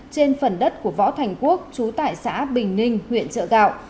trên phần đất của võ thành quốc chú tại xã bình ninh huyện trợ gạo